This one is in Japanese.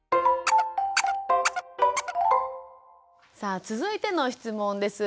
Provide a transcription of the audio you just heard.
さあ続いての質問です。